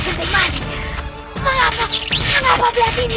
kenapa belati ini